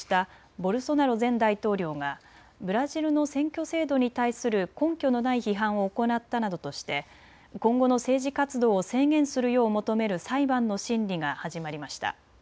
ボルソナロ前大統領がブラジルの選挙制度に対する根拠のない批判を行ったなどとして今後の政治活動を制限するよう求める裁判の審理が始まりました。